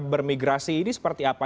bermigrasi ini seperti apa